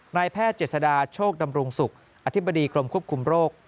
นายแพทย์เจษฎาโชคดำรุงสุขอธิบดีกรมควบคุมโรค